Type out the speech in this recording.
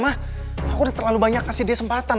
aku udah terlalu banyak kasih dia sempatan